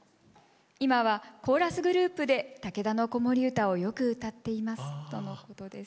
今はコーラスグループで「竹田の子守唄」をよく歌っていますとのことです。